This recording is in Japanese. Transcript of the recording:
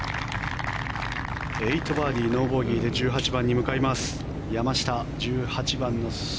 ８バーディーノーボギーで１８番に向かいます山下、１８番。